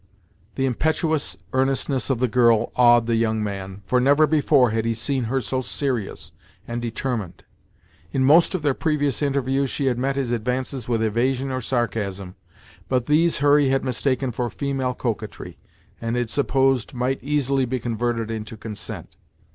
The impetuous earnestness of the girl awed the young man, for never before had he seen her so serious and determined. In most, of their previous interviews she had met his advances with evasion or sarcasm, but these Hurry had mistaken for female coquetry, and had supposed might easily be converted into consent.